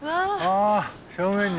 あ正面に。